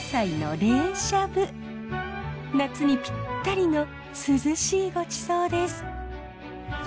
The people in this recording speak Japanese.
夏にぴったりの涼しいごちそうです。